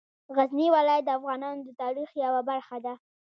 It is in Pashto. غزني ولایت د افغانانو د تاریخ یوه برخه ده.